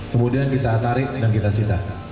kemudian kita tarik dan kita sitakan